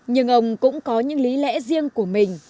nhưng ông cũng có những lý lẽ riêng của mình